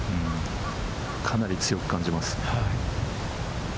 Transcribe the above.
かなり強く感じます。